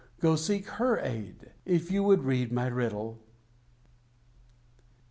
Go, seek her aid, If you would read my riddle!